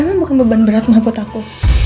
emang bukan beban berat maaf buat aku